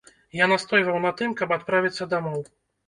Я настойваў на тым, каб адправіцца дамоў.